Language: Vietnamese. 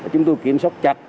chúng tôi kiểm soát chặt